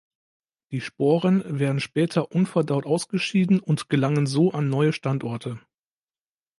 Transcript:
Die Sporen werden später unverdaut ausgeschieden und gelangen so an neue Standorte.